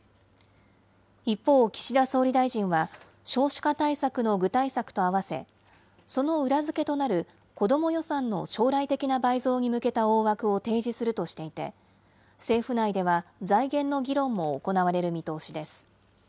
一方、岸田総理大臣は、少子化対策の具体策とあわせ、その裏付けとなる子ども予算の将来的な倍増に向けた大枠を提示するとしていて、政府内では、財源の議論も行われる見通しです。